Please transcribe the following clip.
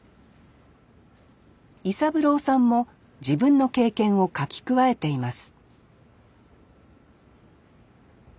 伊三郎さんも自分の経験を書き加えています